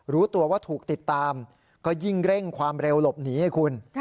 รู้ตัวว่าถูกติดตามก็ยิ่งเร่งความเร็วหลบหนีให้คุณ